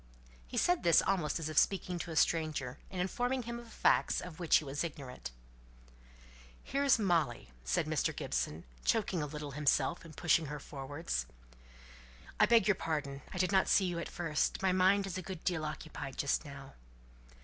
He said this almost as if speaking to a stranger, and informing him of facts of which he was ignorant. "Here's Molly," said Mr. Gibson, choking a little himself, and pushing her forwards. "I beg your pardon; I did not see you at first. My mind is a good deal occupied just now."